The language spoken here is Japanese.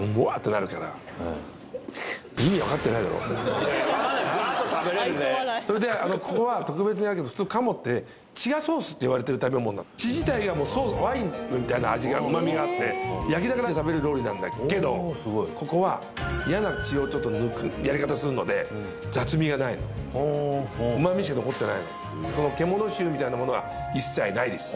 なるからガーっと食べれるねそれでここは特別で普通鴨って血がソースっていわれてる食べ物なの血自体がワインみたいな旨味があって焼きながら食べる料理なんだけどここは嫌な血をちょっと抜くやり方をするので雑味がないの旨味しか残ってないのその獣臭みたいなものが一切ないです